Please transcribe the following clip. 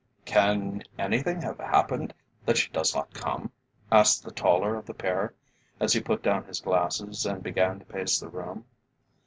"Can anything have happened that she does not come?" asked the taller of the pair, as he put down his glasses, and began to pace the room.